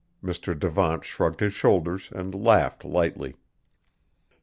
Mr. Devant shrugged his shoulders, and laughed lightly.